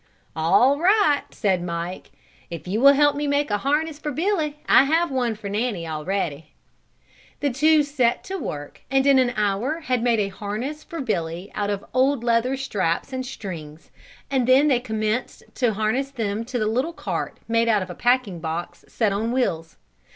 "All right," said Mike, "if you will help me make a harness for Billy. I have one for Nanny already." The two set to work and in an hour had made a harness for Billy out of old leather straps and strings, and then they commenced to harness them to the little cart made out of a packing box set on wheels.